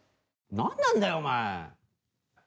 ・何なんだよお前。